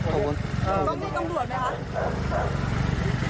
ต้องเรียกตรงรวชไหมคะ